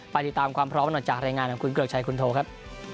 ติดตามความพร้อมหน่อยจากรายงานของคุณเกริกชัยคุณโทครับ